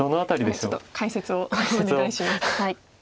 ちょっと解説をお願いします。